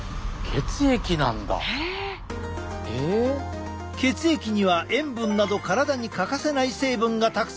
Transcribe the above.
血液には塩分など体に欠かせない成分がたくさん含まれている。